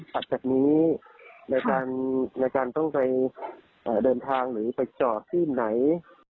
จากนี้ในการต้องไปเดินทางหรือไปจอดที่ไหน